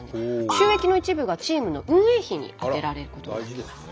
収益の一部がチームの運営費に充てられることになっています。